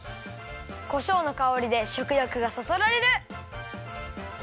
こしょうのかおりでしょくよくがそそられる！